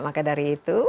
maka dari itu